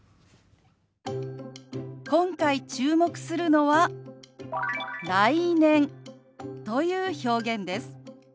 今回注目するのは「来年」という表現です。